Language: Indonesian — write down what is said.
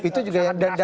itu juga ya